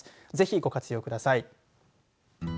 ぜひご活用ください。